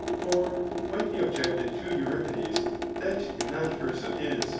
For when he objected to Euripides, that in that verse of his.